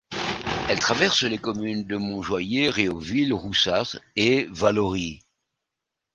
Elle traverse les communes de Montjoyer, Réauville, Roussas et Valaurie.